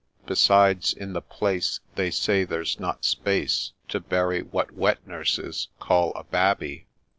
Besides, in the place They say there 's not space To bury what wet nurses call ' a Babby.'